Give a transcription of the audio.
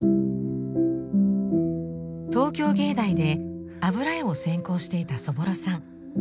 東京藝大で油絵を専攻していたそぼろさん。